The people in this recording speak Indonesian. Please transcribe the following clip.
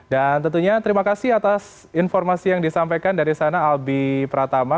dan tentunya terima kasih atas informasi yang disampaikan dari sana albi pratama